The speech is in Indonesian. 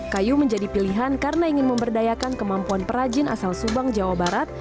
kayu menjadi pilihan karena ingin memberdayakan kemampuan perajin asal subang jawa barat